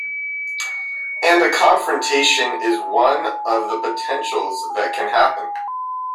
And a confrontation is one of the potentials that can happen.